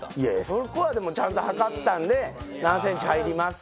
そこはでもちゃんと測ったんで何ｃｍ入りますか？